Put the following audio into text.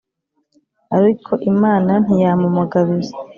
ariko imana ntiyamumugabiza